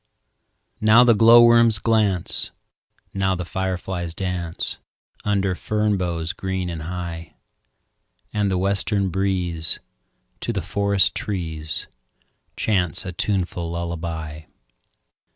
Now the glowworms glance, Now the fireflies dance, Under fern boughs green and high; And the western breeze To the forest trees Chants a tuneful lullaby.